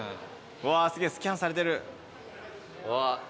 わすげえスキャンされてる。